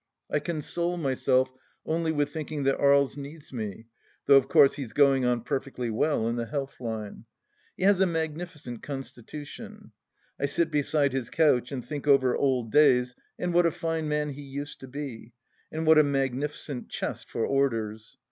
I console myself only with thinking that Aries needs me, though of course he is going on perfectly well in the health line. He has a magnificent constitution. I sit beside his couch and think over old days and what a fine man he used to be, and what a magnificent chest for orders